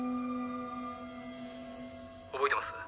覚えてます？